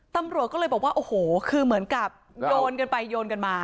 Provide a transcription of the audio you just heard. ตำรวจก็เลยบอกว่าโอ้โหคือเหมือนกับโยนกันไปโยนกันมา